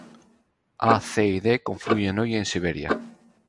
A, C y D confluyen hoy en Siberia.